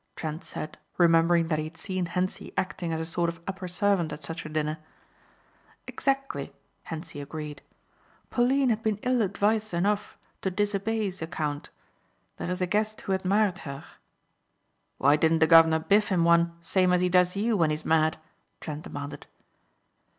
Trent said remembering that he had seen Hentzi acting as a sort of upper servant at such a dinner. "Exactly," Hentzi agreed. "Pauline had been ill advised enough to disobey the count. There is a guest who admired her." "Why didn't the guv'nor biff him one same as he does you when he's mad?" Trent demanded.